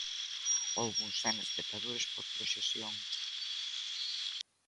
Houbo uns cen espectadores por proxección.